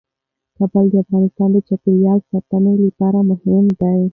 کابل د افغانستان د چاپیریال ساتنې لپاره مهم دي.